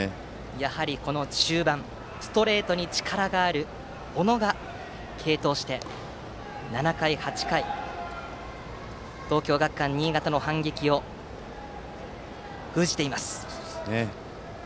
やはり中盤ストレートに力がある小野が継投して、７回、８回と東京学館新潟の反撃を封じています。